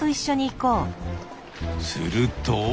すると。